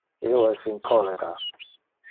Io es in cholera.